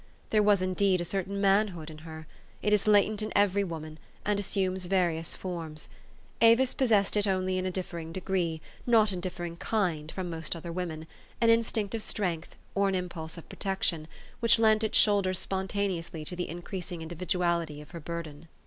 There was, indeed, a certain manhood in her it is latent in every woman, and assumes various forms. Avis possessed it only in a differing degree, not in differing kind, from most other women, an instinct of strength, or an impulse of protection, which lent its shoulders spontaneously to the increas ing individuality of her burden.